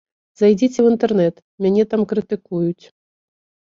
Зайдзіце ў інтэрнэт, мяне там крытыкуюць.